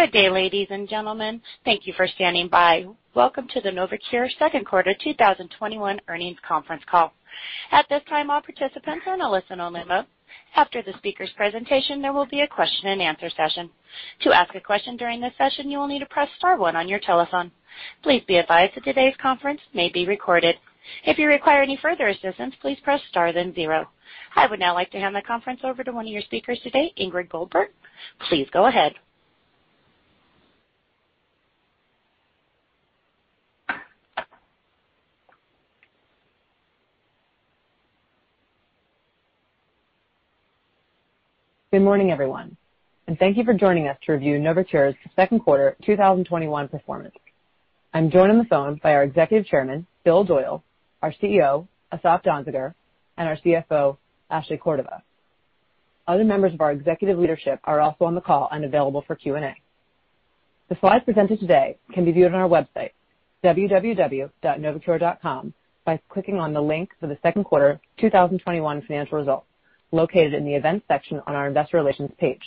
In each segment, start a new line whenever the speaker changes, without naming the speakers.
Good day, ladies and gentlemen. Thank you for standing by. Welcome to the NovoCure second quarter 2021 earnings conference call. At this time, all participants are in a listen-only mode. After the speaker's presentation, there will be a question-and-answer session. To ask a question during this session, you will need to press star one on your telephone. Please be advised that today's conference may be recorded. If you require any further assistance, please press star then zero. I would now like to hand the conference over to one of your speakers today, Ingrid Goldberg. Please go ahead.
Good morning, everyone, and thank you for joining us to review NovoCure's second quarter 2021 performance. I'm joined on the phone by our Executive Chairman, Bill Doyle, our CEO, Asaf Danziger, and our CFO, Ashley Cordova. Other members of our executive leadership are also on the call and available for Q&A. The slides presented today can be viewed on our website, www.novocure.com, by clicking on the link for the second quarter 2021 financial results located in the Events section on our Investor Relations page.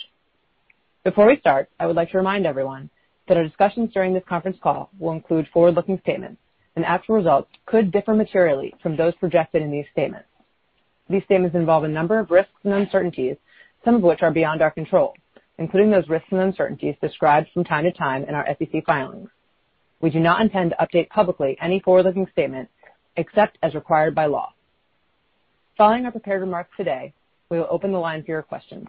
Before we start, I would like to remind everyone that our discussions during this conference call will include forward-looking statements, and actual results could differ materially from those projected in these statements. These statements involve a number of risks and uncertainties, some of which are beyond our control, including those risks and uncertainties described from time to time in our SEC filings. We do not intend to update publicly any forward-looking statements, except as required by law. Following our prepared remarks today, we will open the line for your questions.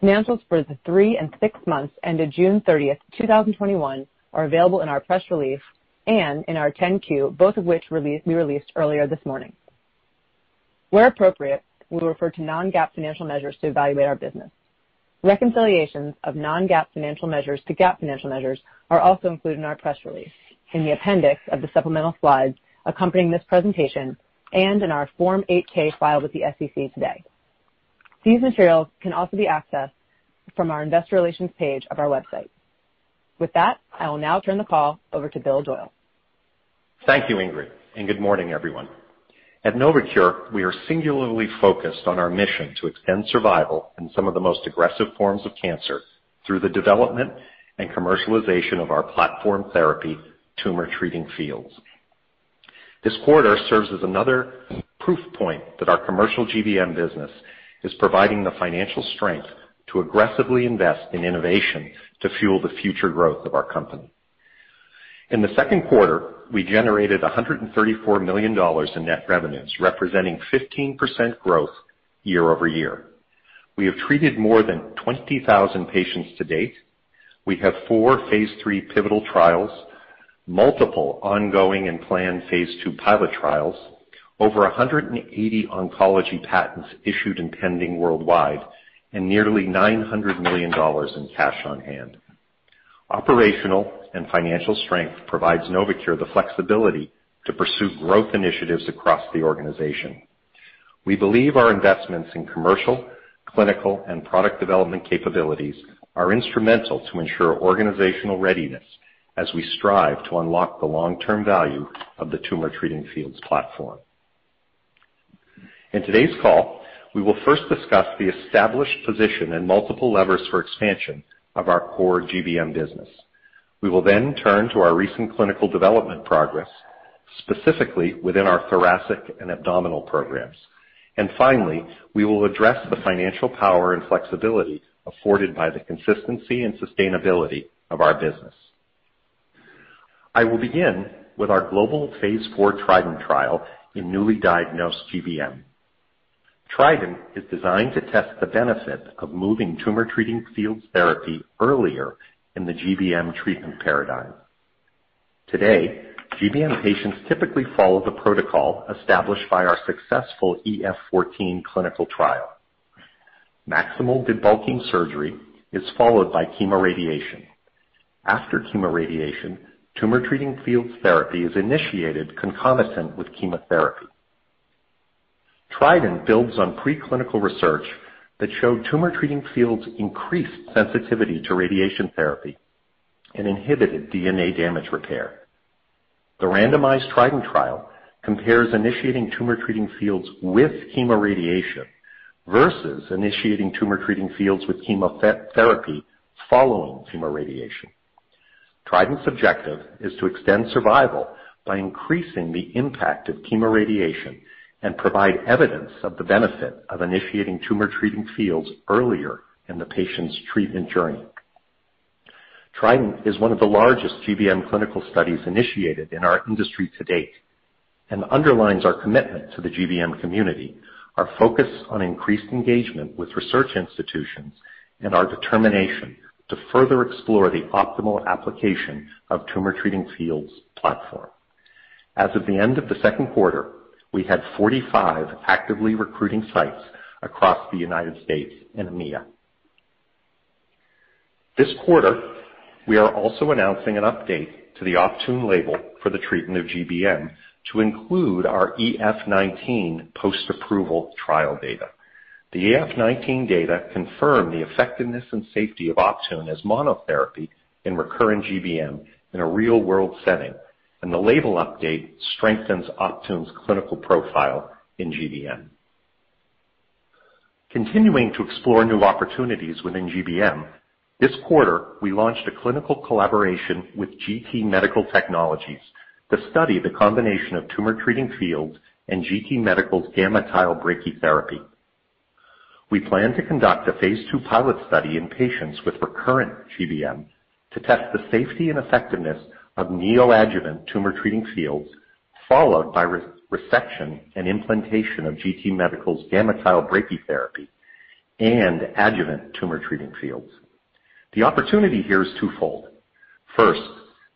Financials for the three and six months ended June 30th, 2021, are available in our press release and in our 10-Q, both of which we released earlier this morning. Where appropriate, we refer to non-GAAP financial measures to evaluate our business. Reconciliations of non-GAAP financial measures to GAAP financial measures are also included in our press release, in the appendix of the supplemental slides accompanying this presentation, and in our Form 8-K filed with the SEC today. These materials can also be accessed from our Investor Relations page of our website. With that, I will now turn the call over to Bill Doyle.
Thank you, Ingrid. Good morning, everyone. At NovoCure, we are singularly focused on our mission to extend survival in some of the most aggressive forms of cancer through the development and commercialization of our platform therapy, Tumor Treating Fields. This quarter serves as another proof point that our commercial GBM business is providing the financial strength to aggressively invest in innovation to fuel the future growth of our company. In the second quarter, we generated $134 million in net revenues, representing 15% growth year-over-year. We have treated more than 20,000 patients to date. We have four phase III pivotal trials, multiple ongoing and planned phase II pilot trials, over 180 oncology patents issued and pending worldwide, and nearly $900 million in cash on hand. Operational and financial strength provides NovoCure the flexibility to pursue growth initiatives across the organization. We believe our investments in commercial, clinical, and product development capabilities are instrumental to ensure organizational readiness as we strive to unlock the long-term value of the Tumor Treating Fields platform. In today's call, we will first discuss the established position and multiple levers for expansion of our core GBM business. We will then turn to our recent clinical development progress, specifically within our thoracic and abdominal programs. Finally, we will address the financial power and flexibility afforded by the consistency and sustainability of our business. I will begin with our global phase IV TRIDENT trial in newly diagnosed GBM. TRIDENT is designed to test the benefit of moving Tumor Treating Fields therapy earlier in the GBM treatment paradigm. Today, GBM patients typically follow the protocol established by our successful EF14 clinical trial. Maximal debulking surgery is followed by chemoradiation. After chemoradiation, Tumor Treating Fields therapy is initiated concomitant with chemotherapy. TRIDENT builds on pre-clinical research that showed Tumor Treating Fields increased sensitivity to radiation therapy and inhibited DNA damage repair. The randomized TRIDENT trial compares initiating Tumor Treating Fields with chemoradiation versus initiating Tumor Treating Fields with chemotherapy following chemoradiation. TRIDENT's objective is to extend survival by increasing the impact of chemoradiation and provide evidence of the benefit of initiating Tumor Treating Fields earlier in the patient's treatment journey. TRIDENT is one of the largest GBM clinical studies initiated in our industry to date, underlines our commitment to the GBM community, our focus on increased engagement with research institutions, and our determination to further explore the optimal application of Tumor Treating Fields platform. As of the end of the second quarter, we had 45 actively recruiting sites across the United States and EMEA. This quarter, we are also announcing an update to the Optune label for the treatment of GBM to include our EF19 post-approval trial data. The EF19 data confirm the effectiveness and safety of Optune as monotherapy in recurrent GBM in a real-world setting, and the label update strengthens Optune's clinical profile in GBM. Continuing to explore new opportunities within GBM, this quarter, we launched a clinical collaboration with GT Medical Technologies to study the combination of Tumor Treating Fields and GT Medical's GammaTile brachytherapy. We plan to conduct a phase II pilot study in patients with recurrent GBM to test the safety and effectiveness of neoadjuvant Tumor Treating Fields, followed by resection and implantation of GT Medical's GammaTile brachytherapy and adjuvant Tumor Treating Fields. The opportunity here is twofold. First,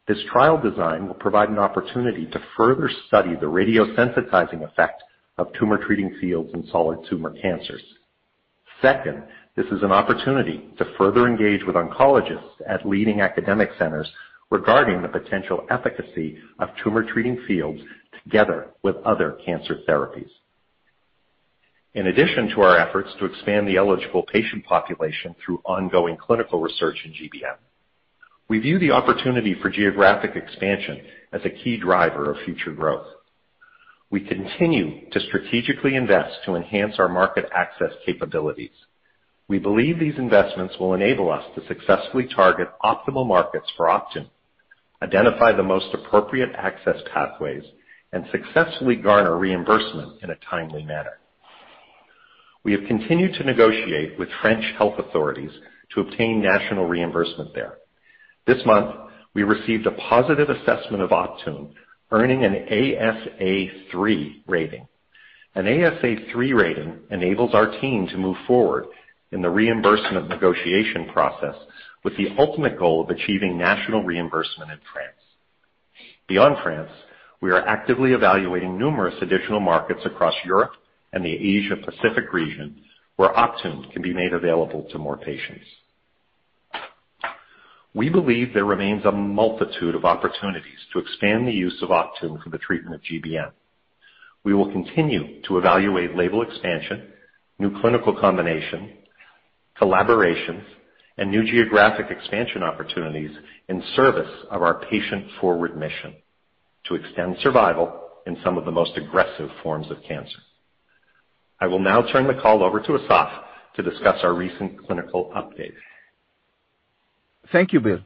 this trial design will provide an opportunity to further study the radiosensitizing effect of Tumor Treating Fields in solid tumor cancers. Second, this is an opportunity to further engage with oncologists at leading academic centers regarding the potential efficacy of Tumor Treating Fields together with other cancer therapies. In addition to our efforts to expand the eligible patient population through ongoing clinical research in GBM, we view the opportunity for geographic expansion as a key driver of future growth. We continue to strategically invest to enhance our market access capabilities. We believe these investments will enable us to successfully target optimal markets for Optune, identify the most appropriate access pathways, and successfully garner reimbursement in a timely manner. We have continued to negotiate with French health authorities to obtain national reimbursement there. This month, we received a positive assessment of Optune, earning an ASA3 rating. An ASA3 rating enables our team to move forward in the reimbursement negotiation process with the ultimate goal of achieving national reimbursement in France. Beyond France, we are actively evaluating numerous additional markets across Europe and the Asia Pacific region where Optune can be made available to more patients. We believe there remains a multitude of opportunities to expand the use of Optune for the treatment of GBM. We will continue to evaluate label expansion, new clinical combination, collaborations, and new geographic expansion opportunities in service of our patient-forward mission to extend survival in some of the most aggressive forms of cancer. I will now turn the call over to Asaf to discuss our recent clinical updates.
Thank you, Bill.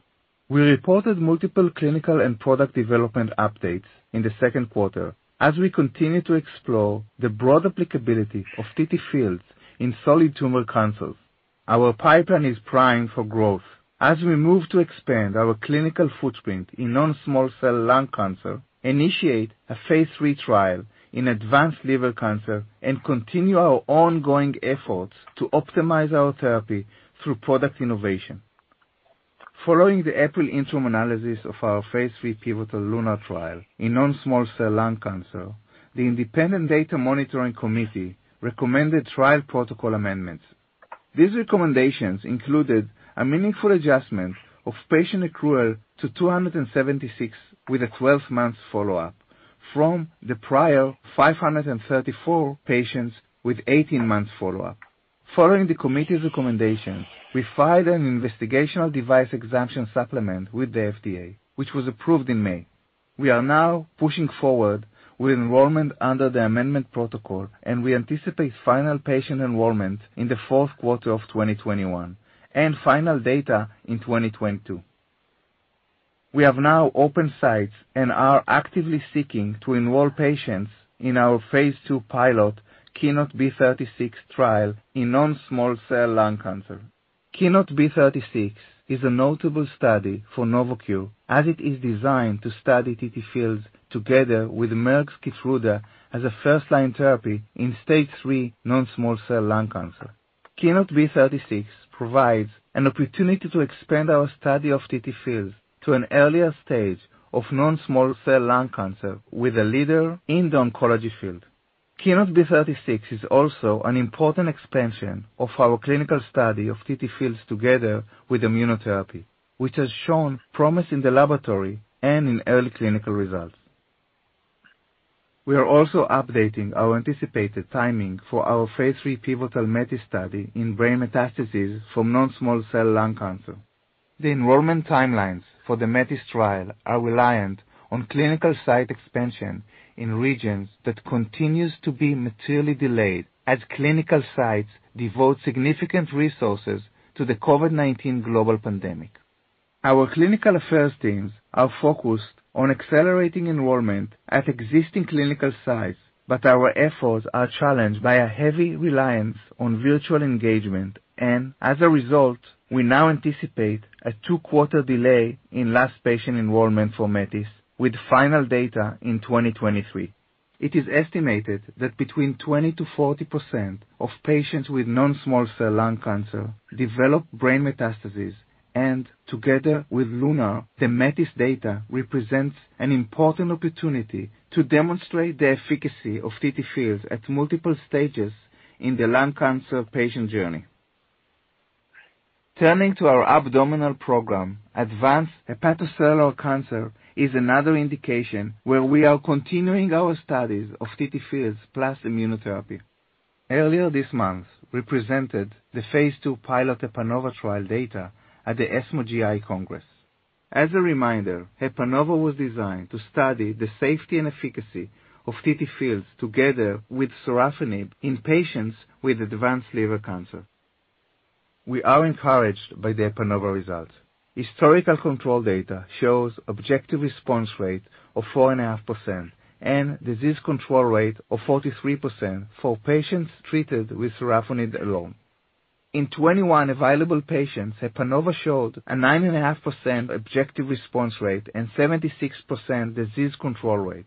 We reported multiple clinical and product development updates in the second quarter as we continue to explore the broad applicability of TTFields in solid tumor cancers. Our pipeline is primed for growth as we move to expand our clinical footprint in non-small cell lung cancer, initiate a phase III trial in advanced liver cancer, and continue our ongoing efforts to optimize our therapy through product innovation. Following the April interim analysis of our phase III pivotal LUNAR trial in non-small cell lung cancer, the independent data monitoring committee recommended trial protocol amendments. These recommendations included a meaningful adjustment of patient accrual to 276 with a 12-month follow-up from the prior 534 patients with 18-month follow-up. Following the committee's recommendations, we filed an investigational device exemption supplement with the FDA, which was approved in May. We are now pushing forward with enrollment under the amendment protocol. We anticipate final patient enrollment in the fourth quarter of 2021 and final data in 2022. We have now opened sites and are actively seeking to enroll patients in our phase II pilot KEYNOTE-B36 trial in non-small cell lung cancer. KEYNOTE-B36 is a notable study for NovoCure as it is designed to study TTFields together with Merck's KEYTRUDA as a first-line therapy in stage three non-small cell lung cancer. KEYNOTE-B36 provides an opportunity to expand our study of TTFields to an earlier stage of non-small cell lung cancer with a leader in the oncology field. KEYNOTE-B36 is also an important expansion of our clinical study of TTFields together with immunotherapy, which has shown promise in the laboratory and in early clinical results. We are also updating our anticipated timing for our phase III pivotal METIS study in brain metastases from non-small cell lung cancer. The enrollment timelines for the METIS trial are reliant on clinical site expansion in regions that continues to be materially delayed as clinical sites devote significant resources to the COVID-19 global pandemic. Our clinical affairs teams are focused on accelerating enrollment at existing clinical sites, but our efforts are challenged by a heavy reliance on virtual engagement, and as a result, we now anticipate a two-quarter delay in last patient enrollment for METIS with final data in 2023. It is estimated that between 20%-40% of patients with non-small cell lung cancer develop brain metastases, and together with LUNAR, the METIS data represents an important opportunity to demonstrate the efficacy of TTFields at multiple stages in the lung cancer patient journey. Turning to our abdominal program, advanced hepatocellular carcinoma is another indication where we are continuing our studies of TTFields plus immunotherapy. Earlier this month, we presented the phase II pilot HEPANOVA trial data at the ESMO GI Congress. As a reminder, HEPANOVA was designed to study the safety and efficacy of TTFields together with sorafenib in patients with advanced liver cancer. We are encouraged by the HEPANOVA results. Historical control data shows objective response rate of 4.5% and disease control rate of 43% for patients treated with sorafenib alone. In 21 available patients, HEPANOVA showed a 9.5% objective response rate and 76% disease control rate,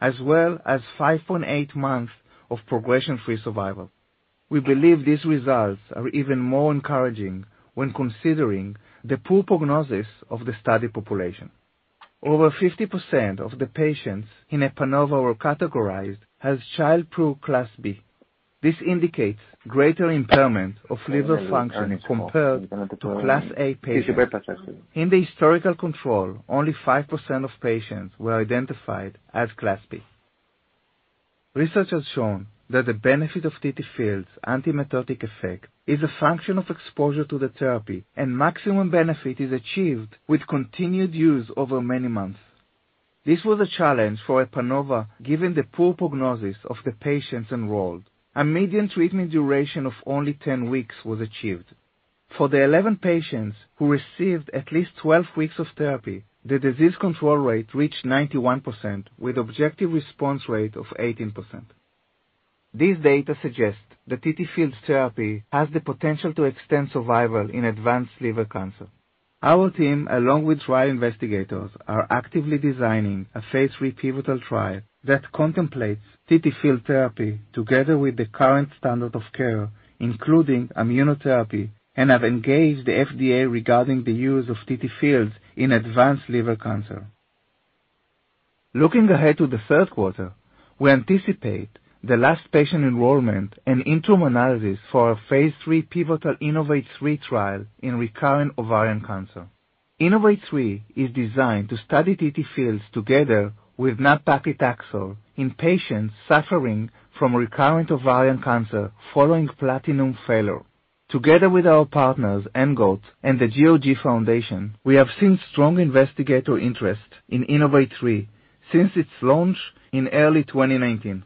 as well as 5.8 months of progression-free survival. We believe these results are even more encouraging when considering the poor prognosis of the study population. Over 50% of the patients in HEPANOVA were categorized as Child-Pugh class B. This indicates greater impairment of liver function compared to class A patients. In the historical control, only 5% of patients were identified as class B. Research has shown that the benefit of TTFields' anti-mitotic effect is a function of exposure to the therapy, and maximum benefit is achieved with continued use over many months. This was a challenge for HEPANOVA, given the poor prognosis of the patients enrolled. A median treatment duration of only 10 weeks was achieved. For the 11 patients who received at least 12 weeks of therapy, the disease control rate reached 91%, with objective response rate of 18%. These data suggest that TTFields therapy has the potential to extend survival in advanced liver cancer. Our team, along with trial investigators, are actively designing a Phase III pivotal trial that contemplates TTFields therapy together with the current standard of care, including immunotherapy, and have engaged the FDA regarding the use of TTFields in advanced liver cancer. Looking ahead to the third quarter, we anticipate the last patient enrollment and interim analysis for our Phase III pivotal INNOVATE 3 trial in recurrent ovarian cancer. INNOVATE 3 is designed to study TTFields together with nab-paclitaxel in patients suffering from recurrent ovarian cancer following platinum failure. Together with our partners, ENGOT and the GOG Foundation, we have seen strong investigator interest in INNOVATE 3 since its launch in early 2019.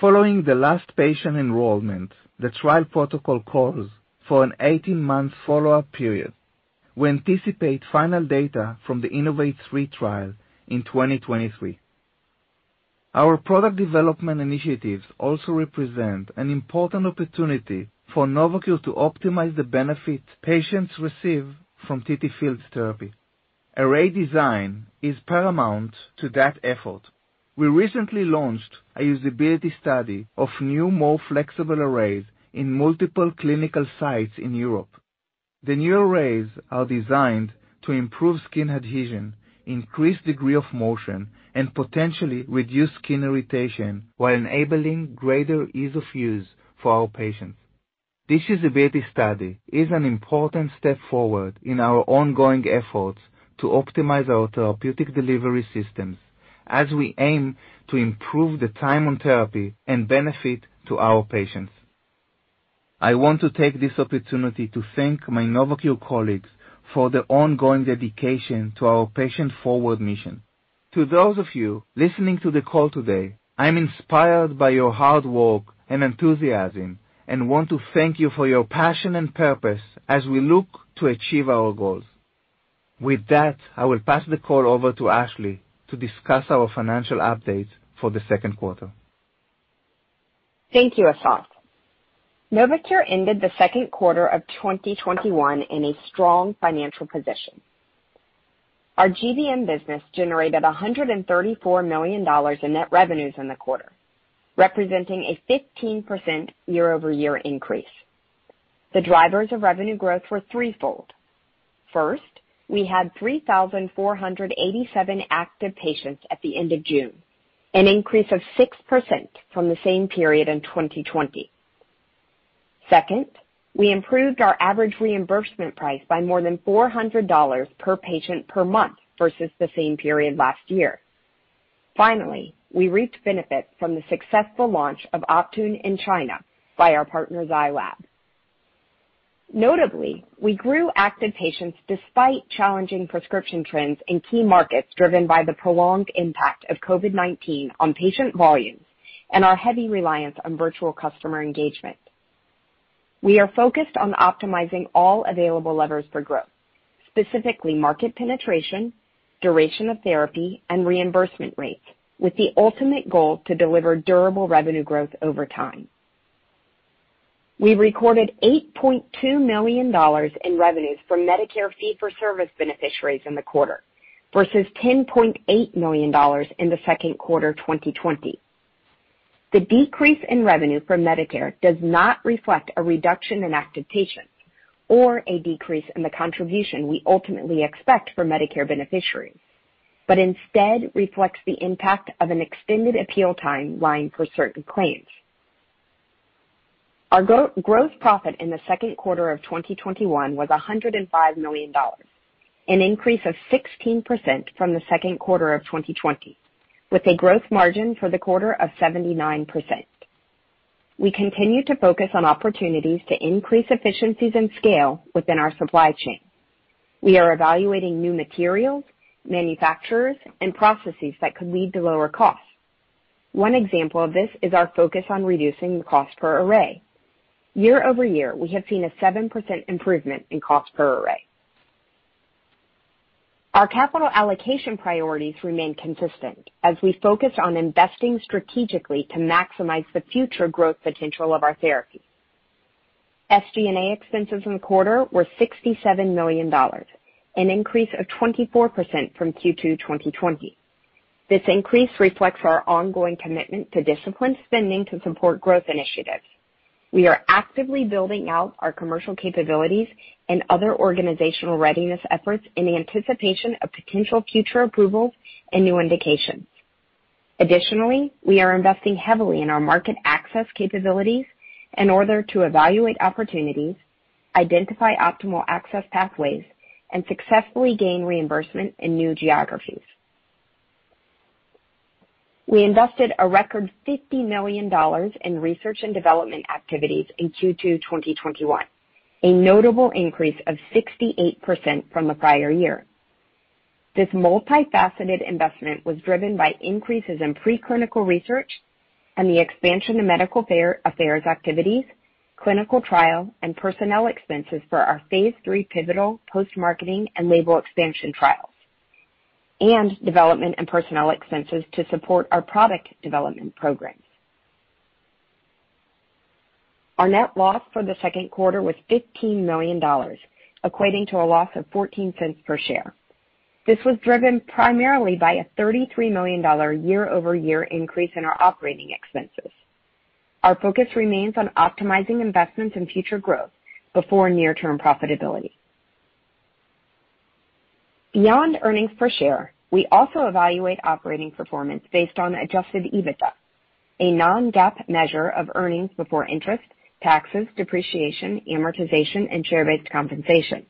Following the last patient enrollment, the trial protocol calls for an 18-month follow-up period. We anticipate final data from the INNOVATE 3 trial in 2023. Our product development initiatives also represent an important opportunity for NovoCure to optimize the benefit patients receive from TTFields therapy. Array design is paramount to that effort. We recently launched a usability study of new, more flexible arrays in multiple clinical sites in Europe. The new arrays are designed to improve skin adhesion, increase degree of motion, and potentially reduce skin irritation while enabling greater ease of use for our patients. This usability study is an important step forward in our ongoing efforts to optimize our therapeutic delivery systems as we aim to improve the time on therapy and benefit to our patients. I want to take this opportunity to thank my NovoCure colleagues for their ongoing dedication to our patient-forward mission. To those of you listening to the call today, I'm inspired by your hard work and enthusiasm and want to thank you for your passion and purpose as we look to achieve our goals. With that, I will pass the call over to Ashley to discuss our financial update for the second quarter.
Thank you, Asaf. NovoCure ended the second quarter of 2021 in a strong financial position. Our GBM business generated $134 million in net revenues in the quarter, representing a 15% year-over-year increase. The drivers of revenue growth were threefold. First, we had 3,487 active patients at the end of June, an increase of 6% from the same period in 2020. Second, we improved our average reimbursement price by more than $400 per patient per month versus the same period last year. Finally, we reaped benefits from the successful launch of Optune in China by our partner, Zai Lab. Notably, we grew active patients despite challenging prescription trends in key markets driven by the prolonged impact of COVID-19 on patient volumes and our heavy reliance on virtual customer engagement. We are focused on optimizing all available levers for growth, specifically market penetration, duration of therapy, and reimbursement rates, with the ultimate goal to deliver durable revenue growth over time. We recorded $8.2 million in revenues from Medicare fee-for-service beneficiaries in the quarter versus $10.8 million in the second quarter 2020. The decrease in revenue from Medicare does not reflect a reduction in active patients or a decrease in the contribution we ultimately expect for Medicare beneficiaries, but instead reflects the impact of an extended appeal timeline for certain claims. Our gross profit in the second quarter of 2021 was $105 million, an increase of 16% from the second quarter of 2020, with a gross margin for the quarter of 79%. We continue to focus on opportunities to increase efficiencies and scale within our supply chain. We are evaluating new materials, manufacturers, and processes that could lead to lower costs. One example of this is our focus on reducing the cost per array. Year-over-year, we have seen a 7% improvement in cost per array. Our capital allocation priorities remain consistent as we focus on investing strategically to maximize the future growth potential of our therapies. SG&A expenses in the quarter were $67 million, an increase of 24% from Q2 2020. This increase reflects our ongoing commitment to disciplined spending to support growth initiatives. We are actively building out our commercial capabilities and other organizational readiness efforts in anticipation of potential future approvals and new indications. Additionally, we are investing heavily in our market access capabilities in order to evaluate opportunities, identify optimal access pathways, and successfully gain reimbursement in new geographies. We invested a record $50 million in research and development activities in Q2 2021, a notable increase of 68% from the prior year. This multifaceted investment was driven by increases in preclinical research and the expansion of medical affairs activities, clinical trial and personnel expenses for our phase III pivotal post-marketing and label expansion trials, and development and personnel expenses to support our product development programs. Our net loss for the second quarter was $15 million, equating to a loss of $0.14 per share. This was driven primarily by a $33 million year-over-year increase in our operating expenses. Our focus remains on optimizing investments in future growth before near-term profitability. Beyond earnings per share, we also evaluate operating performance based on adjusted EBITDA, a non-GAAP measure of earnings before interest, taxes, depreciation, amortization, and share-based compensation.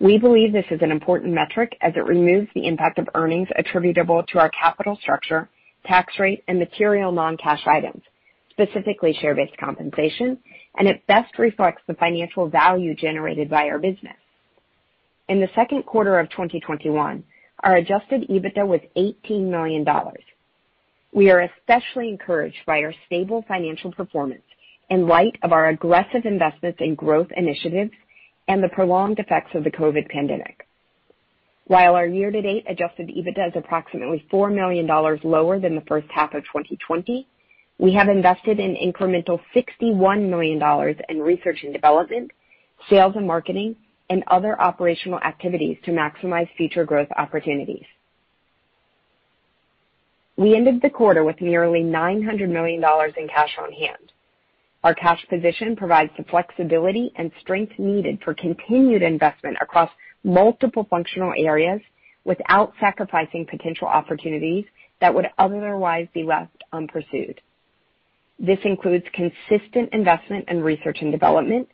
We believe this is an important metric as it removes the impact of earnings attributable to our capital structure, tax rate, and material non-cash items, specifically share-based compensation, and it best reflects the financial value generated by our business. In the second quarter of 2021, our adjusted EBITDA was $18 million. We are especially encouraged by our stable financial performance in light of our aggressive investments in growth initiatives and the prolonged effects of the COVID-19 pandemic. While our year-to-date adjusted EBITDA is approximately $4 million lower than the first half of 2020, we have invested an incremental $61 million in research and development, sales and marketing, and other operational activities to maximize future growth opportunities. We ended the quarter with nearly $900 million in cash on hand. Our cash position provides the flexibility and strength needed for continued investment across multiple functional areas without sacrificing potential opportunities that would otherwise be left unpursued. This includes consistent investment in research and development,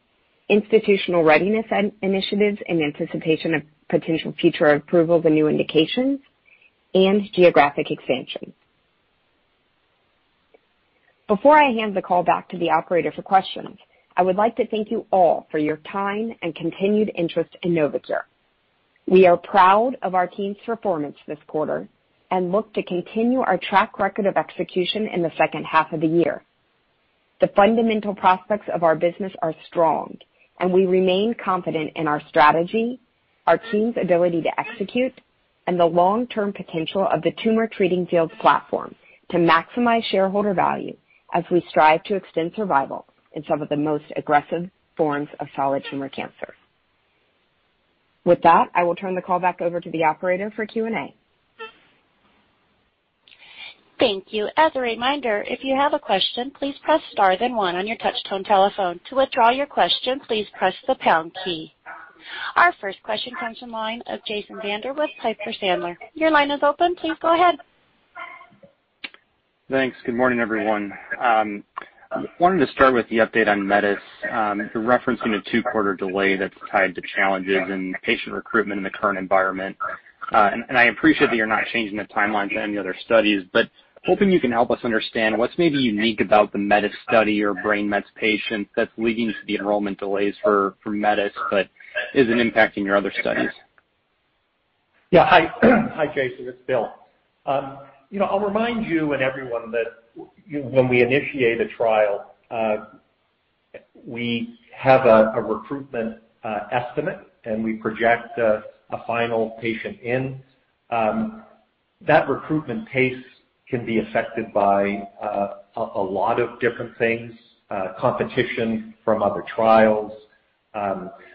institutional readiness initiatives in anticipation of potential future approvals and new indications, and geographic expansion. Before I hand the call back to the operator for questions, I would like to thank you all for your time and continued interest in NovoCure. We are proud of our team's performance this quarter and look to continue our track record of execution in the second half of the year. The fundamental prospects of our business are strong, and we remain confident in our strategy, our team's ability to execute, and the long-term potential of the Tumor Treating Fields platform to maximize shareholder value as we strive to extend survival in some of the most aggressive forms of solid tumor cancer. With that, I will turn the call back over to the operator for Q&A.
Thank you. As a reminder, if you have a question, please press star then one on your touch-tone telephone. To withdraw your question, please press the pound key. Our first question comes from the line of Jason Bednar with Piper Sandler. Your line is open. Please go ahead.
Thanks. Good morning, everyone. Wanted to start with the update on METIS. You're referencing a two-quarter delay that's tied to challenges in patient recruitment in the current environment. I appreciate that you're not changing the timelines on any other studies, but hoping you can help us understand what's maybe unique about the METIS study or brain Mets patients that's leading to the enrollment delays for METIS but isn't impacting your other studies.
Hi, Jason. It's Bill. I'll remind you and everyone that when we initiate a trial, we have a recruitment estimate, and we project a final patient in. That recruitment pace can be affected by a lot of different things, competition from other trials,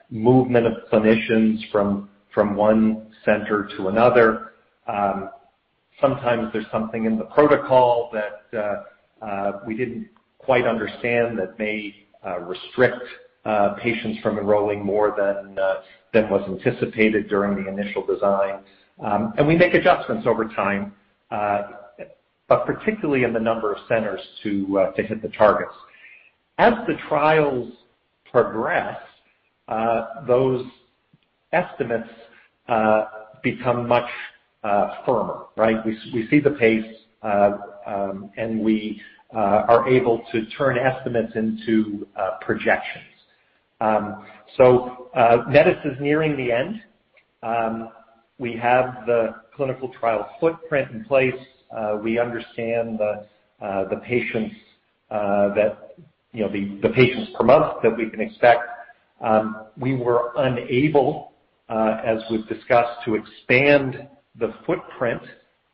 movement of clinicians from one center to another. Sometimes there's something in the protocol that we didn't quite understand that may restrict patients from enrolling more than was anticipated during the initial design. We make adjustments over time, but particularly in the number of centers to hit the targets. As the trials progress, those estimates become much firmer, right? We see the pace, and we are able to turn estimates into projections. METIS is nearing the end. We have the clinical trial footprint in place. We understand the patients per month that we can expect. We were unable, as we've discussed, to expand the footprint.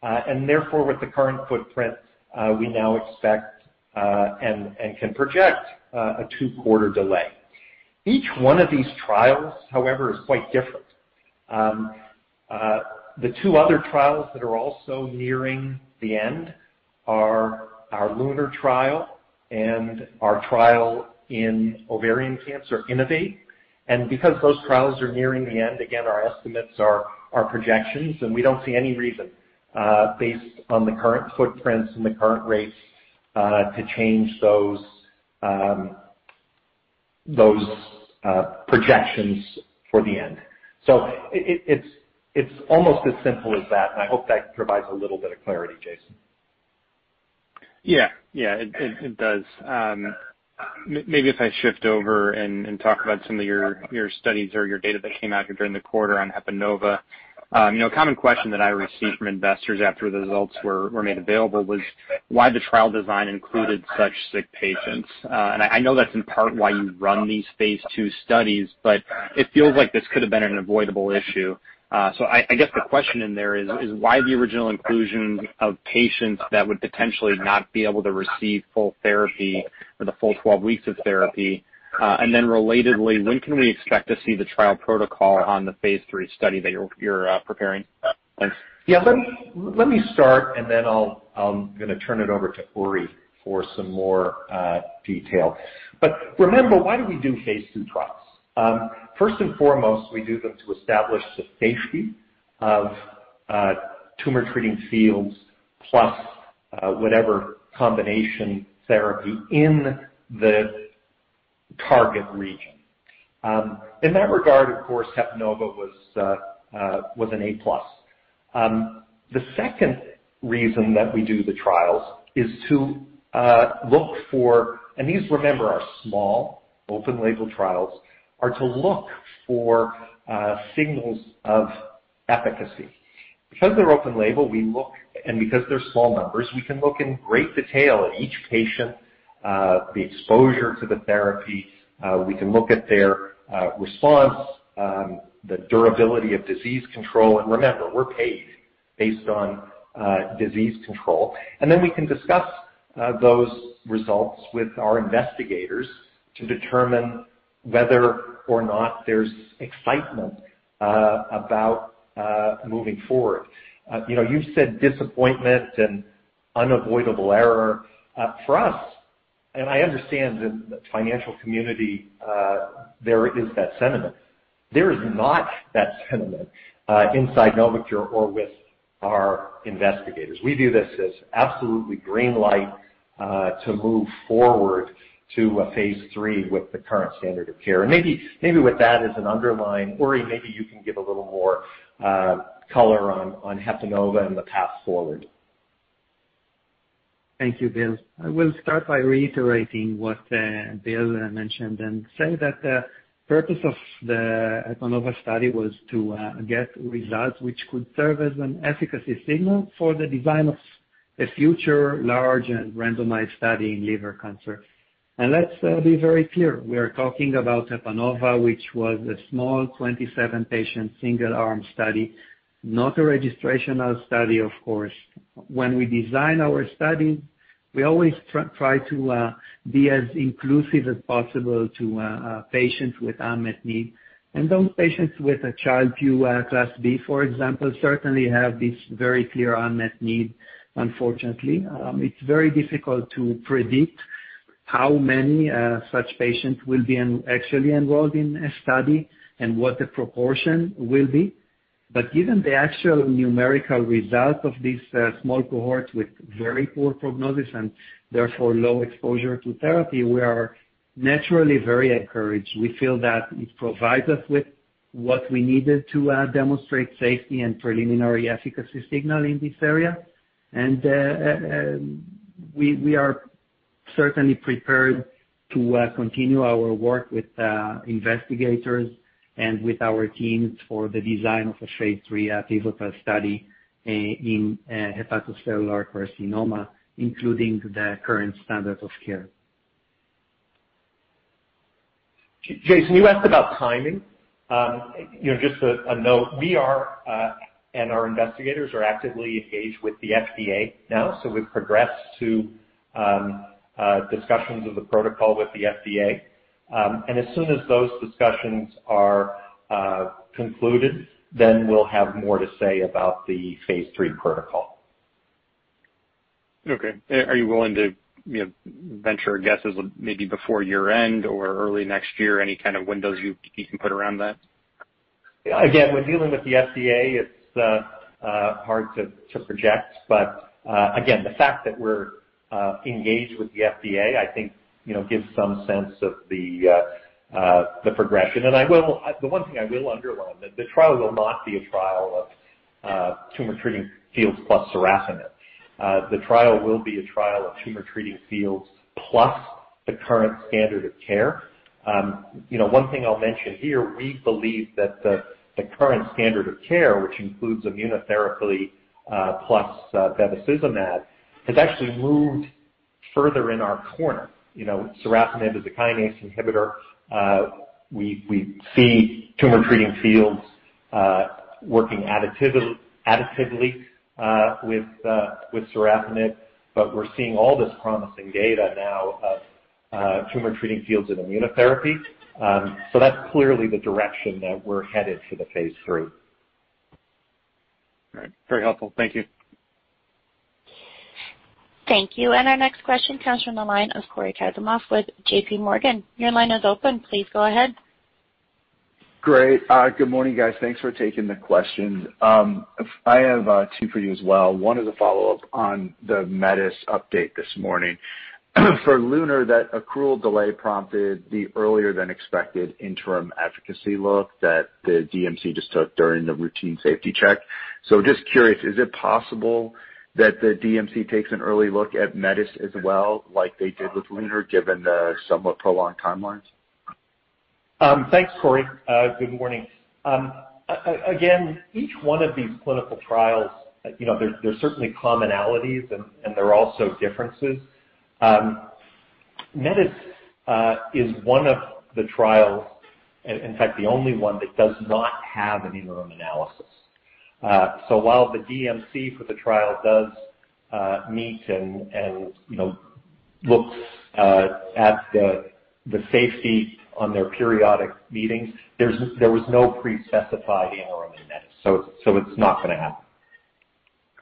Therefore with the current footprint, we now expect and can project a two-quarter delay. Each one of these trials, however, is quite different. The two other trials that are also nearing the end are our LUNAR trial and our trial in ovarian cancer, INNOVATE. Because those trials are nearing the end, again, our estimates are projections, and we don't see any reason based on the current footprints and the current rates to change those projections for the end. It's almost as simple as that, and I hope that provides a little bit of clarity, Jason.
Yeah. It does. Maybe if I shift over and talk about some of your studies or your data that came out here during the quarter on HEPANOVA. A common question that I received from investors after the results were made available was why the trial design included such sick patients. I know that's in part why you run these phase II studies, but it feels like this could've been an avoidable issue. I guess the question in there is why the original inclusion of patients that would potentially not be able to receive full therapy for the full 12 weeks of therapy. Relatedly, when can we expect to see the trial protocol on the phase III study that you're preparing? Thanks.
Let me start, and then I'm going to turn it over to Uri for some more detail. Remember, why do we do phase II trials? First and foremost, we do them to establish the safety of Tumor Treating Fields, plus whatever combination therapy in the target region. In that regard, of course, HEPANOVA was an A+. The second reason that we do the trials is to look for, these, remember, are small, open-label trials, are to look for signals of efficacy. Because they're open-label, we look, and because they're small numbers, we can look in great detail at each patient, the exposure to the therapy. We can look at their response, the durability of disease control, and remember, we're paid based on disease control. We can discuss those results with our investigators to determine whether or not there's excitement about moving forward. You said disappointment and unavoidable error. For us, and I understand in the financial community, there is that sentiment. There is not that sentiment inside NovoCure or with our investigators. We view this as absolutely green light to move forward to a phase III with the current standard of care. Maybe with that as an underline, Uri, maybe you can give a little more color on HEPANOVA and the path forward.
Thank you, Bill. I will start by reiterating what Bill mentioned and say that the purpose of the HEPANOVA study was to get results which could serve as an efficacy signal for the design of a future large and randomized study in liver cancer. Let's be very clear, we are talking about HEPANOVA, which was a small 27-patient single-arm study, not a registrational study, of course. When we design our studies, we always try to be as inclusive as possible to patients with unmet need. Those patients with a Child-Pugh Class B, for example, certainly have this very clear unmet need, unfortunately. It's very difficult to predict how many such patients will be actually enrolled in a study and what the proportion will be. Given the actual numerical result of this small cohort with very poor prognosis and therefore low exposure to therapy, we are naturally very encouraged. We feel that it provides us with what we needed to demonstrate safety and preliminary efficacy signal in this area. We are certainly prepared to continue our work with investigators and with our teams for the design of a phase III pivotal study in hepatocellular carcinoma, including the current standard of care.
Jason, you asked about timing. Just a note, we are and our investigators are actively engaged with the FDA now. We've progressed to discussions of the protocol with the FDA. As soon as those discussions are concluded, then we'll have more to say about the phase III protocol.
Okay. Are you willing to venture a guess as maybe before year-end or early next year, any kind of windows you can put around that?
When dealing with the FDA, it's hard to project. Again, the fact that we're engaged with the FDA I think gives some sense of the progression. The one thing I will underline, that the trial will not be a trial of Tumor Treating Fields plus sorafenib. The trial will be a trial of Tumor Treating Fields plus the current standard of care. One thing I'll mention here, we believe that the current standard of care, which includes immunotherapy plus bevacizumab, has actually moved further in our corner. Sorafenib is a kinase inhibitor. We see Tumor Treating Fields working additively with sorafenib, but we're seeing all this promising data now of Tumor Treating Fields and immunotherapy. That's clearly the direction that we're headed for the phase III.
All right. Very helpful. Thank you.
Thank you. Our next question comes from the line of Cory Kasimov with JPMorgan. Your line is open. Please go ahead.
Great. Good morning, guys. Thanks for taking the questions. I have two for you as well. One is a follow-up on the METIS update this morning. For LUNAR, that accrual delay prompted the earlier than expected interim efficacy look that the DMC just took during the routine safety check. Just curious, is it possible that the DMC takes an early look at METIS as well like they did with LUNAR, given the somewhat prolonged timelines?
Thanks, Cory. Good morning. Each one of these clinical trials, there's certainly commonalities and there are also differences. METIS is one of the trials, in fact, the only one that does not have an interim analysis. While the DMC for the trial does meet and looks at the safety on their periodic meetings, there was no pre-specified interim in METIS, it's not going to happen.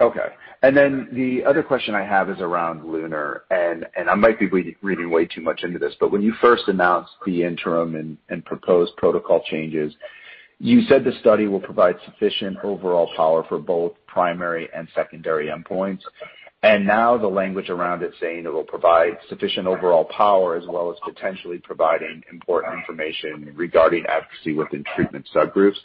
Okay. Then the other question I have is around LUNAR, and I might be reading way too much into this, but when you first announced the interim and proposed protocol changes, you said the study will provide sufficient overall power for both primary and secondary endpoints. Now the language around it saying it will provide sufficient overall power as well as potentially providing important information regarding efficacy within treatment subgroups.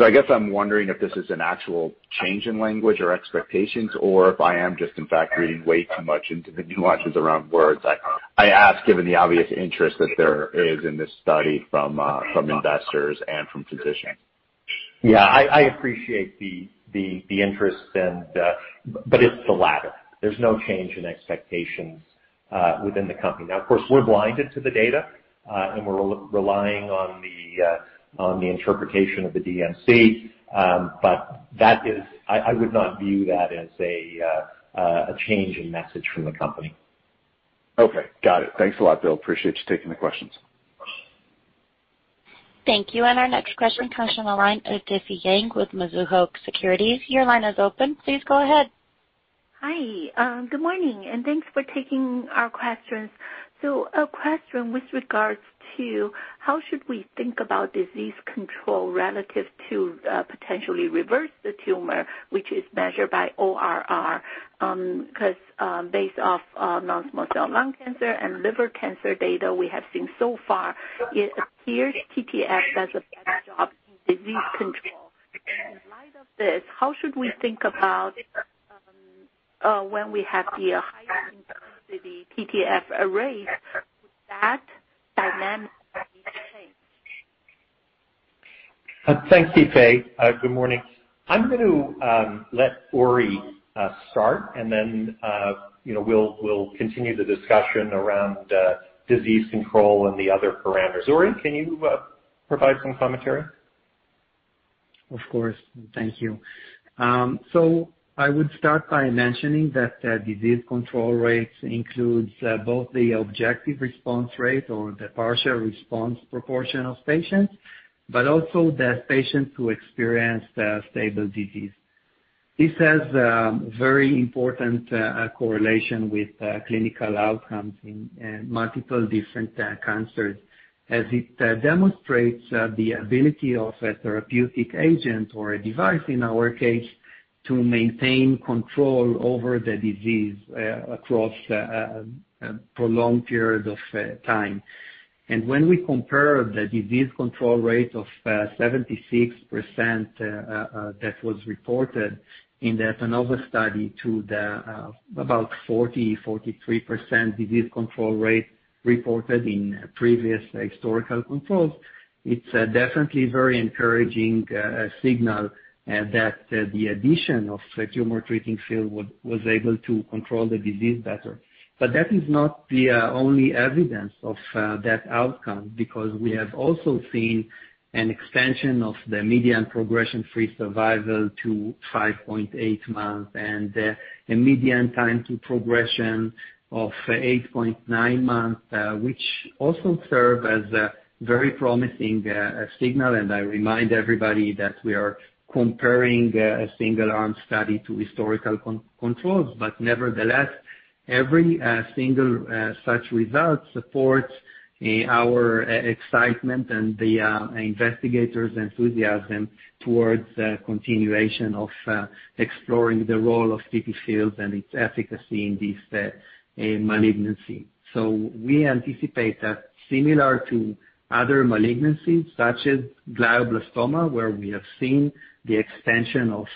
I guess I'm wondering if this is an actual change in language or expectations or if I am just in fact reading way too much into the nuances around words. I ask, given the obvious interest that there is in this study from investors and from physicians.
Yeah. I appreciate the interest. It's the latter. There's no change in expectations within the company. Now, of course, we're blinded to the data, and we're relying on the interpretation of the DMC, but I would not view that as a change in message from the company.
Okay. Got it. Thanks a lot, Bill. Appreciate you taking the questions.
Thank you. Our next question comes from the line of Difei Yang with Mizuho Securities. Your line is open. Please go ahead.
Hi. Good morning, thanks for taking our questions. A question with regards to how should we think about disease control relative to potentially reverse the tumor, which is measured by ORR, because based off non-small cell lung cancer and liver cancer data we have seen so far, it appears TTF does a better job in disease control. In light of this, how should we think about when we have the higher intensity TTF arrays, would that dynamic at least change?
Thanks, Difei. Good morning. I'm going to let Uri start, and then we'll continue the discussion around disease control and the other parameters. Uri, can you provide some commentary?
Of course. Thank you. I would start by mentioning that the disease control rates include both the objective response rate or the partial response proportion of patients, but also the patients who experienced stable disease. This has a very important correlation with clinical outcomes in multiple different cancers as it demonstrates the ability of a therapeutic agent or a device, in our case, to maintain control over the disease across a prolonged period of time. When we compare the disease control rate of 76% that was reported in the HEPANOVA study to the about 40%-43% disease control rate reported in previous historical controls, it's definitely a very encouraging signal that the addition of Tumor Treating Fields was able to control the disease better. That is not the only evidence of that outcome because we have also seen an extension of the median progression-free survival to 5.8 months and the median time to progression of 8.9 months, which also serve as a very promising signal. I remind everybody that we are comparing a single-arm study to historical controls. Nevertheless, every single such result supports our excitement and the investigators' enthusiasm towards continuation of exploring the role of TTFields and its efficacy in this malignancy. We anticipate that similar to other malignancies such as glioblastoma, where we have seen the extension of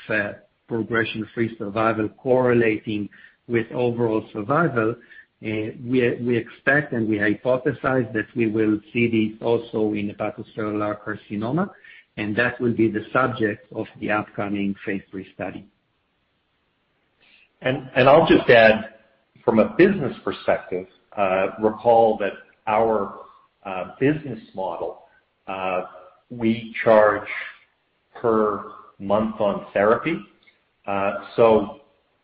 progression-free survival correlating with overall survival, we expect and we hypothesize that we will see this also in hepatocellular carcinoma, and that will be the subject of the upcoming Phase III study.
I'll just add from a business perspective, recall that our business model, we charge per month on therapy.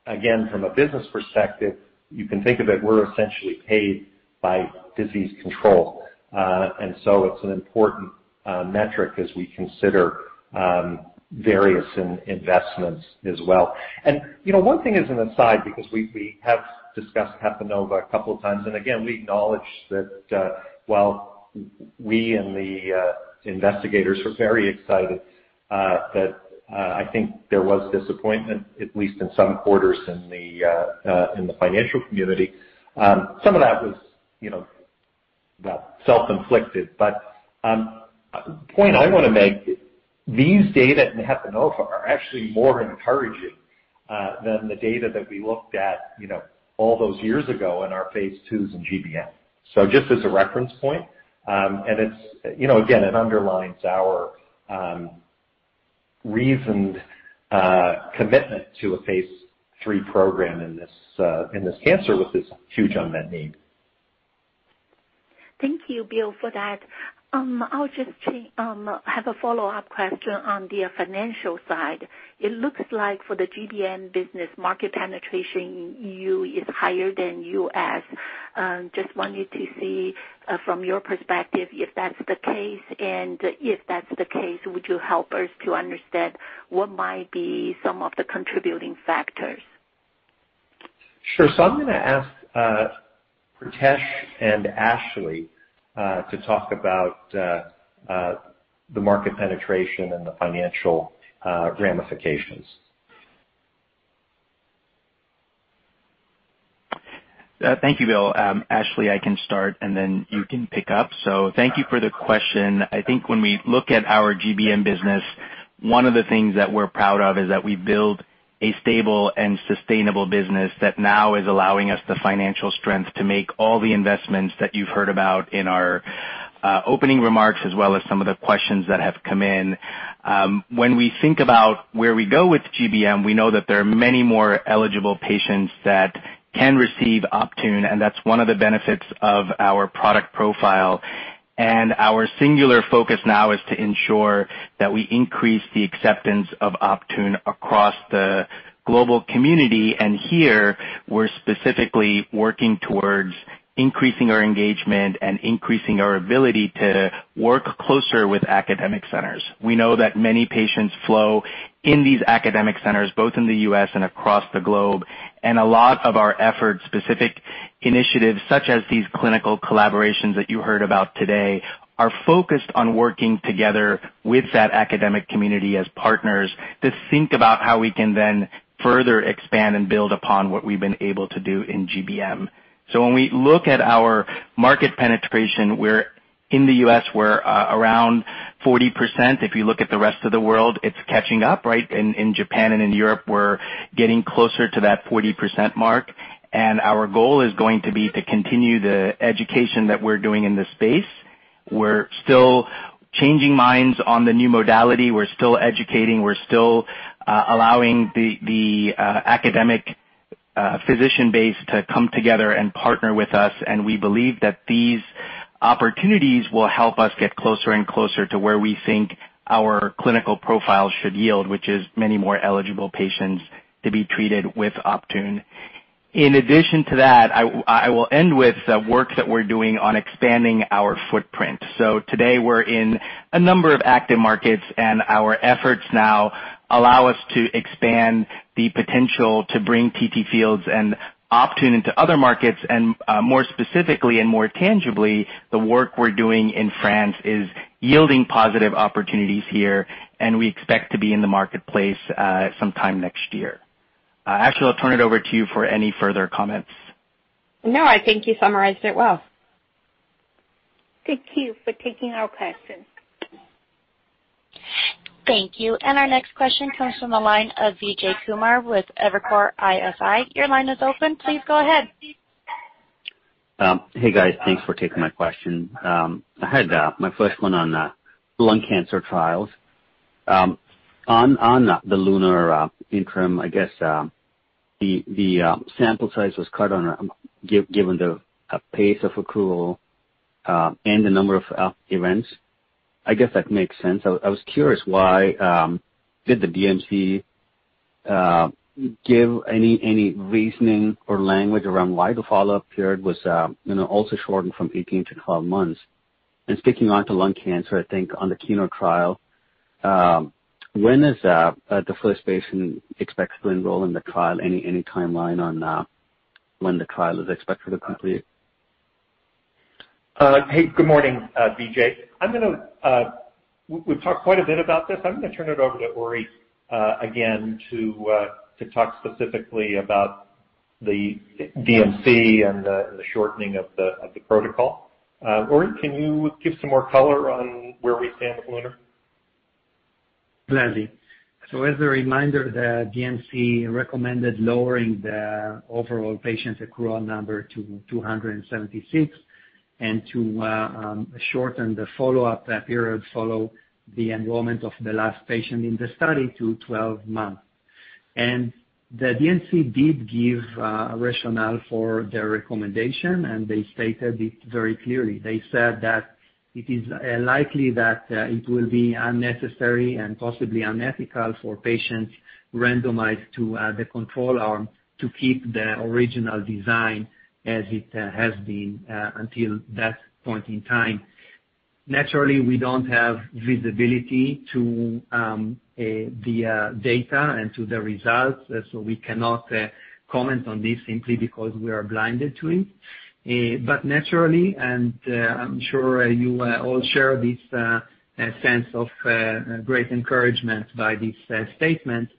Again, from a business perspective, you can think of it, we're essentially paid by disease control. It's an important metric as we consider various investments as well. One thing as an aside, because we have discussed HEPANOVA a couple of times, and again, we acknowledge that while we and the investigators were very excited, that I think there was disappointment, at least in some quarters in the financial community. Some of that was self-inflicted. The point I want to make, these data in HEPANOVA are actually more encouraging than the data that we looked at all those years ago in our phase IIs in GBM. Just as a reference point, and again, it underlines our reasoned commitment to a phase III program in this cancer with this huge unmet need.
Thank you, Bill, for that. I'll just have a follow-up question on the financial side. It looks like for the GBM business, market penetration in EU is higher than U.S. Just wanted to see from your perspective if that's the case, and if that's the case, would you help us to understand what might be some of the contributing factors?
Sure. I'm going to ask Pritesh and Ashley to talk about the market penetration and the financial ramifications.
Thank you, Bill. Ashley, I can start, and then you can pick up. Thank you for the question. I think when we look at our GBM business, one of the things that we're proud of is that we build a stable and sustainable business that now is allowing us the financial strength to make all the investments that you've heard about in our opening remarks, as well as some of the questions that have come in. When we think about where we go with GBM, we know that there are many more eligible patients that can receive Optune, and that's one of the benefits of our product profile. Our singular focus now is to ensure that we increase the acceptance of Optune across the global community, and here we're specifically working towards increasing our engagement and increasing our ability to work closer with academic centers. We know that many patients flow in these academic centers, both in the U.S. and across the globe. A lot of our efforts, specific initiatives such as these clinical collaborations that you heard about today, are focused on working together with that academic community as partners to think about how we can then further expand and build upon what we've been able to do in GBM. When we look at our market penetration, in the U.S., we're around 40%. If you look at the rest of the world, it's catching up, right? In Japan and in Europe, we're getting closer to that 40% mark. Our goal is going to be to continue the education that we're doing in this space. We're still changing minds on the new modality. We're still educating, we're still allowing the academic physician base to come together and partner with us, and we believe that these opportunities will help us get closer and closer to where we think our clinical profile should yield, which is many more eligible patients to be treated with Optune. In addition to that, I will end with the work that we're doing on expanding our footprint. Today we're in a number of active markets, and our efforts now allow us to expand the potential to bring TTFields and Optune into other markets, and more specifically and more tangibly, the work we're doing in France is yielding positive opportunities here, and we expect to be in the marketplace sometime next year. Ashley, I'll turn it over to you for any further comments.
No, I think you summarized it up.
Thank you for taking our question.
Thank you. Our next question comes from the line of Vijay Kumar with Evercore ISI. Your line is open. Please go ahead.
Hey, guys. Thanks for taking my question. I had my first one on lung cancer trials. On the LUNAR interim, I guess, the sample size was cut given the pace of accrual and the number of events. I guess that makes sense. I was curious why did the DMC give any reasoning or language around why the follow-up period was also shortened from 18-12 months? Sticking on to lung cancer, I think on the KEYNOTE trial, when is the first patient expected to enroll in the trial? Any timeline on when the trial is expected to complete?
Hey, good morning, Vijay. We've talked quite a bit about this. I'm going to turn it over to Ori again to talk specifically about the DMC and the shortening of the protocol. Ori, can you give some more color on where we stand with LUNAR?
Gladly. As a reminder, the DMC recommended lowering the overall patient accrual number to 276, and to shorten the follow-up period follow the enrollment of the last patient in the study to 12 months. The DMC did give a rationale for their recommendation, and they stated it very clearly. They said that it is likely that it will be unnecessary and possibly unethical for patients randomized to the control arm to keep the original design as it has been until that point in time. Naturally, we don't have visibility to the data and to the results, so we cannot comment on this simply because we are blinded to it. Naturally, and I'm sure you all share this sense of great encouragement by this statement,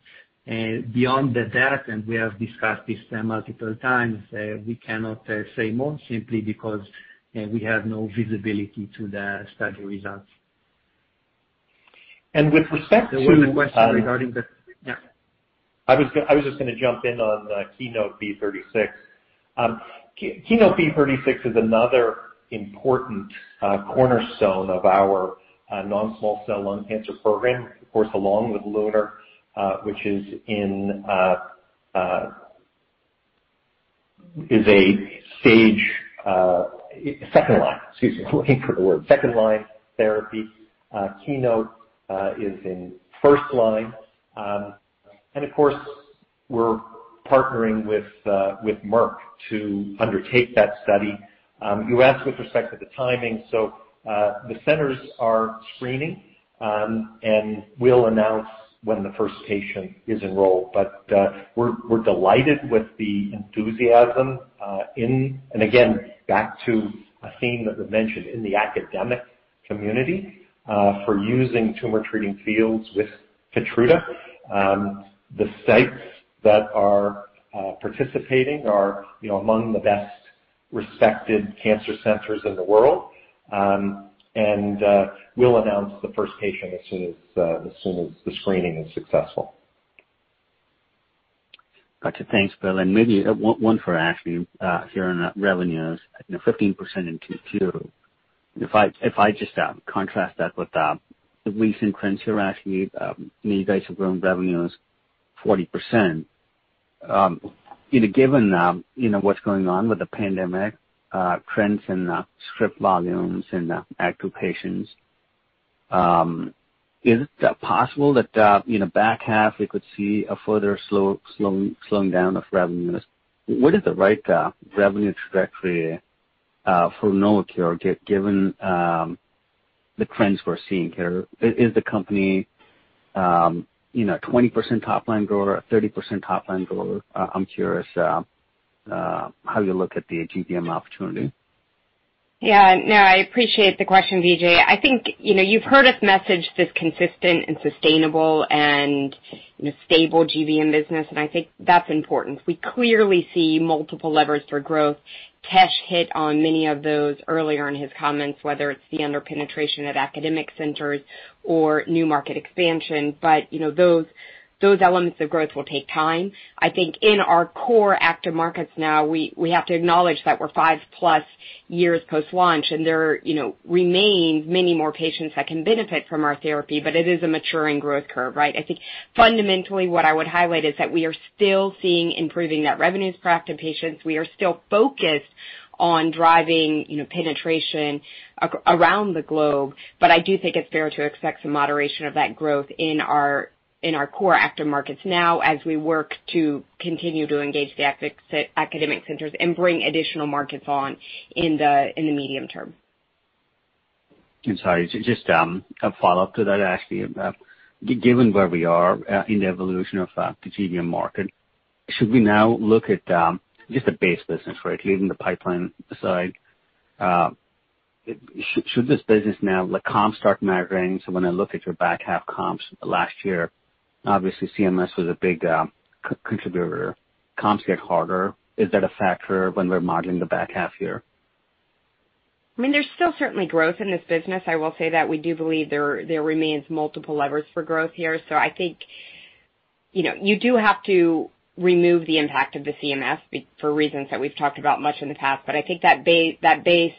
beyond that, and we have discussed this multiple times, we cannot say more simply because we have no visibility to the study results.
with respect to.
There was a question regarding the. Yeah.
I was just going to jump in on the KEYNOTE-B36. KEYNOTE-B36 is another important cornerstone of our non-small cell lung cancer program, of course, along with LUNAR, which is a second line therapy. KEYNOTE is in first line. Of course, we're partnering with Merck to undertake that study. You asked with respect to the timing. The centers are screening, and we'll announce when the first patient is enrolled. We're delighted with the enthusiasm in, and again, back to a theme that was mentioned in the academic community for using Tumor Treating Fields with KEYTRUDA. The sites that are participating are among the best respected cancer centers in the world. We'll announce the first patient as soon as the screening is successful.
Got you. Thanks, Bill. Maybe one for Ashley here on revenues, 15% in Q2. If I just contrast that with the recent trends here, Ashley, new patient revenues 40%. Given what's going on with the pandemic, trends in script volumes and active patients, is it possible that back half we could see a further slowing down of revenues? What is the right revenue trajectory for NovoCure, given the trends we're seeing here? Is the company 20% top line grower, a 30% top line grower? I'm curious how you look at the GBM opportunity.
Yeah. No, I appreciate the question, Vijay. I think you've heard us message this consistent and sustainable and stable GBM business, and I think that's important. We clearly see multiple levers for growth. Pritesh hit on many of those earlier in his comments, whether it's the under-penetration at academic centers or new market expansion. Those elements of growth will take time. I think in our core active markets now, we have to acknowledge that we're five-plus years post-launch, and there remain many more patients that can benefit from our therapy, but it is a maturing growth curve, right? I think fundamentally what I would highlight is that we are still seeing improving net revenues for active patients. We are still focused on driving penetration around the globe. I do think it's fair to expect some moderation of that growth in our core active markets now as we work to continue to engage the academic centers and bring additional markets on in the medium term.
I'm sorry, just a follow-up to that, Ashley. Given where we are in the evolution of the GBM market, should we now look at just the base business for it, leaving the pipeline aside? Should this business now, like comps start measuring? When I look at your back half comps last year, obviously CMS was a big contributor. Comps get harder. Is that a factor when we're modeling the back half year?
There's still certainly growth in this business. I will say that we do believe there remains multiple levers for growth here. I think you do have to remove the impact of the CMS for reasons that we've talked about much in the past. I think that base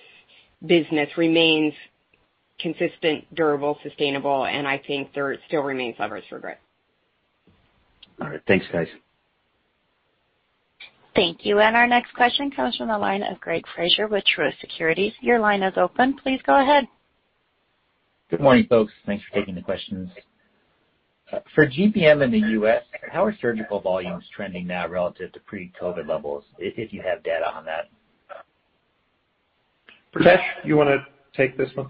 business remains consistent, durable, sustainable, and I think there still remains levers for growth.
All right. Thanks, guys.
Thank you. Our next question comes from the line of Greg Fraser with Truist Securities. Your line is open. Please go ahead.
Good morning, folks. Thanks for taking the questions. For GBM in the U.S., how are surgical volumes trending now relative to pre-COVID levels, if you have data on that?
Pritesh, you want to take this one?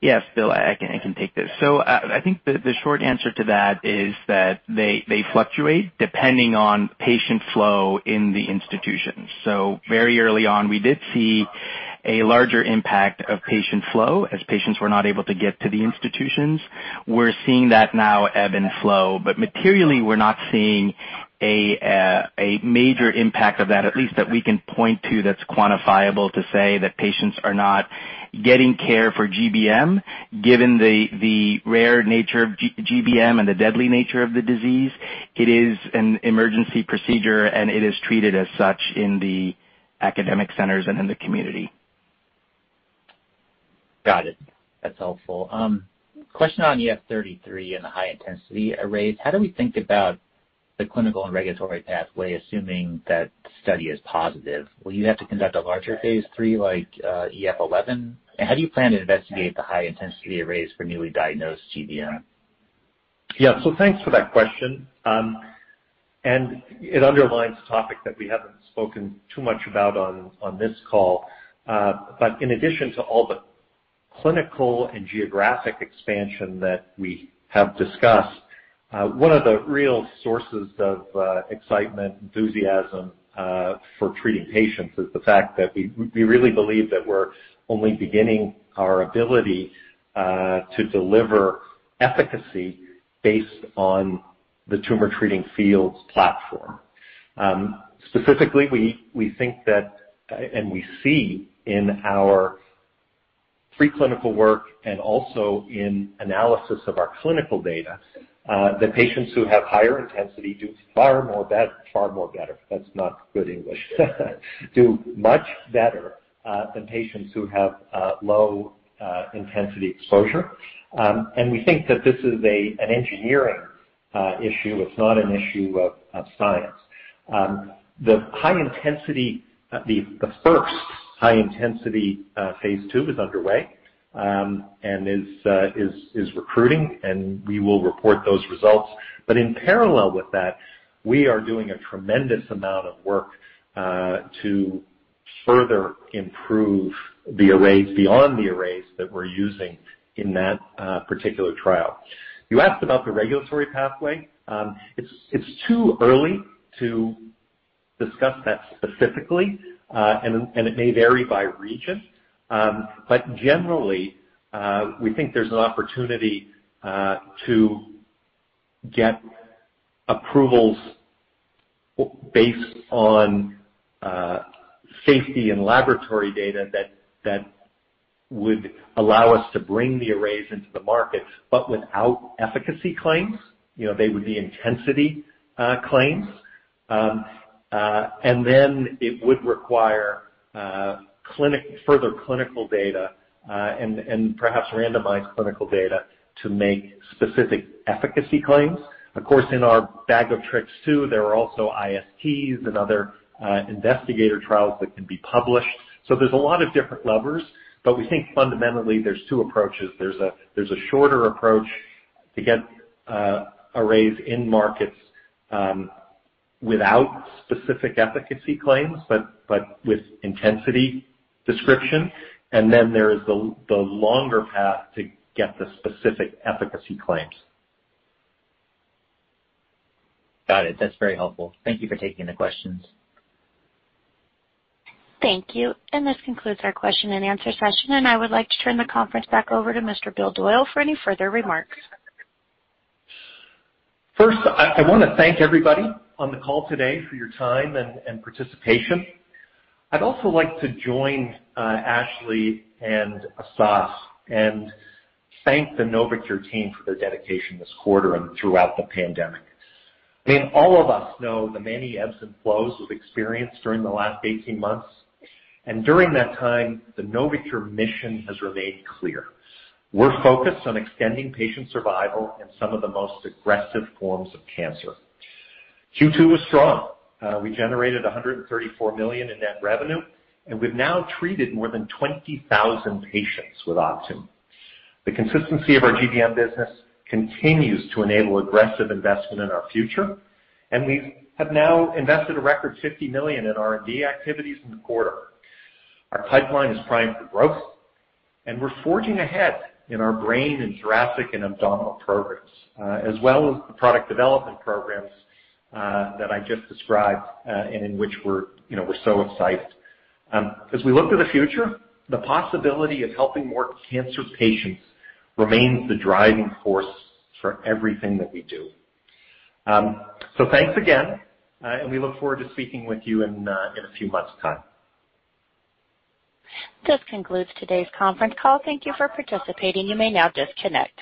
Yes, Bill, I can take this. I think the short answer to that is that they fluctuate depending on patient flow in the institution. Very early on, we did see a larger impact of patient flow as patients were not able to get to the institutions. We're seeing that now ebb and flow, but materially, we're not seeing a major impact of that, at least that we can point to that's quantifiable to say that patients are not getting care for GBM. Given the rare nature of GBM and the deadly nature of the disease, it is an emergency procedure, and it is treated as such in the academic centers and in the community.
Got it. That's helpful. Question on EF-33 and the high-intensity arrays. How do we think about the clinical and regulatory pathway, assuming that study is positive? Will you have to conduct a larger phase III like EF-11? How do you plan to investigate the high-intensity arrays for newly diagnosed GBM?
Yeah. Thanks for that question. It underlines a topic that we haven't spoken too much about on this call. In addition to all the clinical and geographic expansion that we have discussed, one of the real sources of excitement, enthusiasm for treating patients is the fact that we really believe that we're only beginning our ability to deliver efficacy based on the Tumor Treating Fields platform. Specifically, we think that, and we see in our preclinical work and also in analysis of our clinical data, that patients who have higher intensity do much better than patients who have low intensity exposure. We think that this is an engineering issue. It's not an issue of science. The first high intensity phase II is underway, and is recruiting, and we will report those results. In parallel with that, we are doing a tremendous amount of work to further improve the arrays beyond the arrays that we're using in that particular trial. You asked about the regulatory pathway. It's too early to discuss that specifically, and it may vary by region. Generally, we think there's an opportunity to get approvals based on safety and laboratory data that would allow us to bring the arrays into the market, but without efficacy claims. They would be intensity claims. Then it would require further clinical data, and perhaps randomized clinical data to make specific efficacy claims. Of course, in our bag of tricks, too, there are also ISTs and other investigator trials that can be published. There's a lot of different levers, but we think fundamentally, there's two approaches. There's a shorter approach to get arrays in markets without specific efficacy claims, but with intensity description. There is the longer path to get the specific efficacy claims.
Got it. That's very helpful. Thank you for taking the questions.
Thank you. This concludes our question-and-answer session. I would like to turn the conference back over to Mr. Bill Doyle for any further remarks.
First, I want to thank everybody on the call today for your time and participation. I'd also like to join Ashley and Asaf and thank the NovoCure team for their dedication this quarter and throughout the pandemic. I mean, all of us know the many ebbs and flows we've experienced during the last 18 months. During that time, the NovoCure mission has remained clear. We're focused on extending patient survival in some of the most aggressive forms of cancer. Q2 was strong. We generated $134 million in net revenue, and we've now treated more than 20,000 patients with Optune. The consistency of our GBM business continues to enable aggressive investment in our future, and we have now invested a record $50 million in R&D activities in the quarter. Our pipeline is primed for growth, and we're forging ahead in our brain and thoracic and abdominal programs, as well as the product development programs that I just described, and in which we're so excited. As we look to the future, the possibility of helping more cancer patients remains the driving force for everything that we do. Thanks again, and we look forward to speaking with you in a few months' time.
This concludes today's conference call. Thank you for participating. You may now disconnect.